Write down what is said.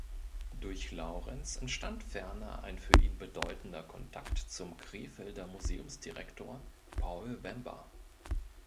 Durch Laurenz entstand ferner ein für ihn bedeutender Kontakt zum Krefelder Museumsdirektor Paul Wember.